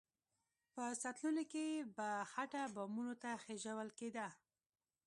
په سطلونو کې به خټه بامونو ته خېژول کېده.